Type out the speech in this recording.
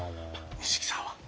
錦さんは？